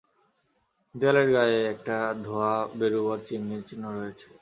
দেয়ালের গায়ে একটা ধােয়া বেরুবার চিমনির চিহ্ন রয়েছে।